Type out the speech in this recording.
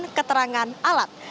namun keterangan alat